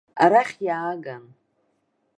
Арахь иааган.